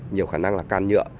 nhiều khả năng là can nhựa